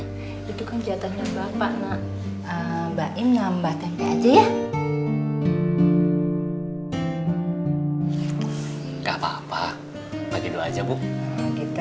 siapapun yang daerah tolongin kita